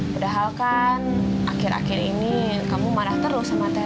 padahal kan akhir akhir ini kamu marah terus sama teh